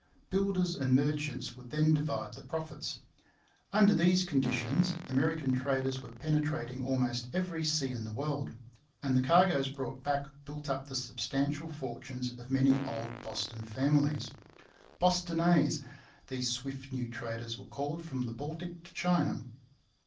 Builders and merchants would then divide the profits. Under these conditions American traders were penetrating almost every sea in the world; and the cargoes brought back built up the substantial fortunes of many old Boston families. 'Bostonnais' these swift new traders were called from the Baltic to China.